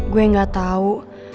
gue gak tau